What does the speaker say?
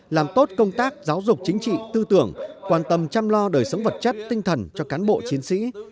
làm tốt công tác giáo dục chính trị tư tưởng quan tâm chăm lo đời sống vật chất tinh thần cho cán bộ chiến sĩ